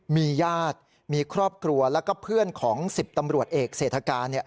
มีญาติมีครอบครัวแล้วก็เพื่อนของ๑๐ตำรวจเอกเศรษฐการ